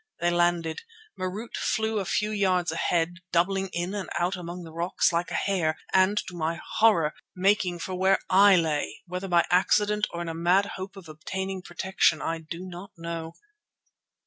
They landed, Marût flew a few yards ahead doubling in and out among the rocks like a hare and, to my horror, making for where I lay, whether by accident or in a mad hope of obtaining protection, I do not know.